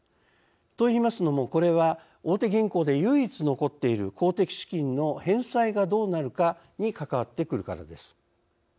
といいますのも、これは大手銀行で唯一、残っている公的資金の返済が、どうなるかに関わってくるからです。